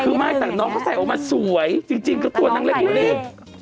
ไอ้พี่มดคุณค่ะคุณไม่แต่น้องเขาใส่เอามาสวยจริงก็ต้อนางนั่งเล่นอีกดี